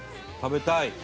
食べたい！